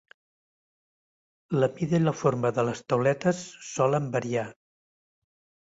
La mida i la forma de les tauletes solen variar.